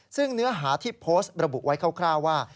ซึ่งเนื้อหาที่โพสต์ระบุไว้คร่าวว่า